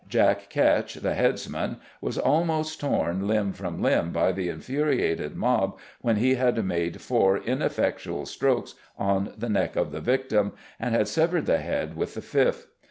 Jack Ketch, the headsman, was almost torn limb from limb by the infuriated mob when he had made four ineffectual strokes on the neck of the victim and had severed the head with the fifth.